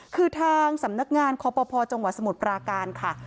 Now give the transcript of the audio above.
คือทางสำนักงานคอปภจังหวัดสมุทรปราการค่ะ